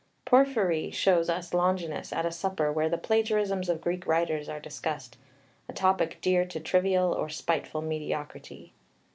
Porphyry shows us Longinus at a supper where the plagiarisms of Greek writers are discussed a topic dear to trivial or spiteful mediocrity.